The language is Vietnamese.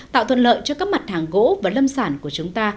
tạo thuận lợi cho các mặt hàng gỗ và lâm sản của chúng ta